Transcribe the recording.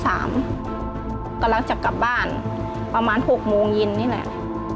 กำลังจะกลับบ้านประมาณ๖โมงเย็นนี่แหละ